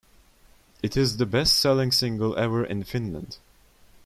It is the best selling single ever in Finland.